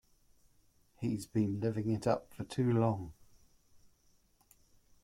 He's been living it up for too long.